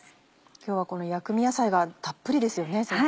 今日はこの薬味野菜がたっぷりですよね先生。